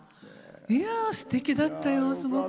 いや、すてきだったよ、すごく。